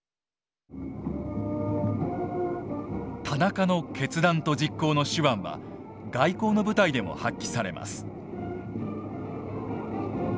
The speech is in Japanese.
田中の決断と実行の手腕は外交の舞台でも発揮されます。